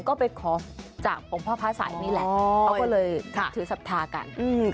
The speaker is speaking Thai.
ก็ไปขอจากพระพระศัยนี่แหละเขาก็เลยถือศัพทากัน